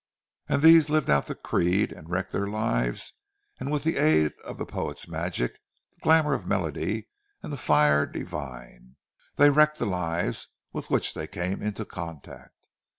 And these lived out the creed, and wrecked their lives; and with the aid of the poet's magic, the glamour of melody and the fire divine, they wrecked the lives with which they came into contact.